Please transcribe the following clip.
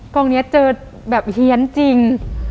กองนี้เจอแบบเฮียนจริง